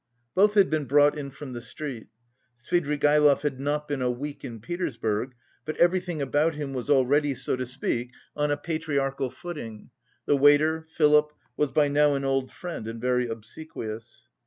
Both had been brought in from the street. Svidrigaïlov had not been a week in Petersburg, but everything about him was already, so to speak, on a patriarchal footing; the waiter, Philip, was by now an old friend and very obsequious.